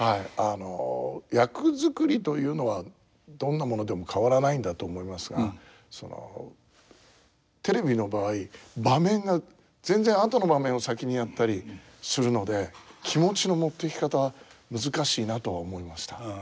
あの役作りというのはどんなものでも変わらないんだと思いますがそのテレビの場合場面が全然後の場面を先にやったりするので気持ちの持っていき方難しいなとは思いました。